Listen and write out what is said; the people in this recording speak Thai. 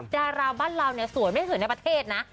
ดาราบ้านเราสวยไม่ได้สวยในประเทศนะ